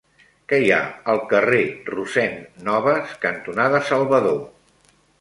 Què hi ha al carrer Rossend Nobas cantonada Salvador?